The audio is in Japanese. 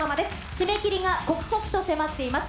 締め切りが刻々と迫っています。